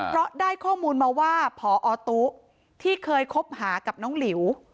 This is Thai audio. เพราะได้ข้อมูลมาว่าพอตุ๊ที่เคยคบหากับน้องหลิว